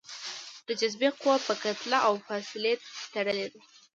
د جاذبې قوه په کتله او فاصلې تړلې ده.